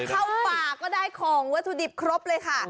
เข้าป่าก็ได้ของวัตถุดิบครบเลยค่ะ